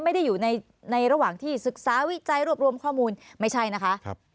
ไม่ได้อยู่ในระหว่างที่ศึกษาวิจัยรวบรวมข้อมูลไม่ใช่นะคะ